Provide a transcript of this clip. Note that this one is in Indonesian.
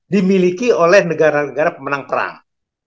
dimiliki oleh negara negara pemenang perang